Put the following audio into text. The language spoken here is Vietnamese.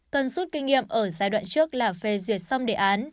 cần rút kinh nghiệm ở giai đoạn trước là phê duyệt xong đề án